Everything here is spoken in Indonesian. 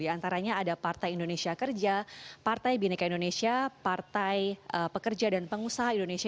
di antaranya ada partai indonesia kerja partai bineka indonesia partai pekerja dan pengusaha indonesia